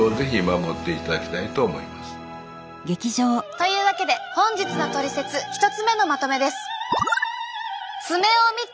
というわけで本日のトリセツ１つ目のまとめです。